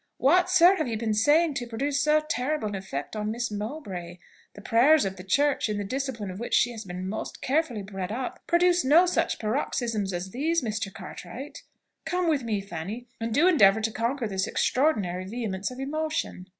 What, sir, have you been saying to produce so terrible an effect on Miss Mowbray? The prayers of the church, in the discipline of which she has been most carefully bred up, produce no such paroxysms as these, Mr. Cartwright. Come with me, Fanny, and do endeavour to conquer this extraordinary vehemence of emotion."